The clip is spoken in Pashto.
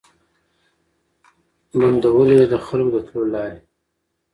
بندولې یې د خلکو د تلو لاري